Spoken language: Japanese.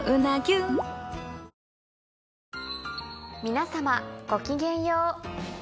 皆様ごきげんよう。